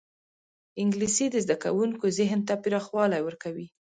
انګلیسي د زدهکوونکو ذهن ته پراخوالی ورکوي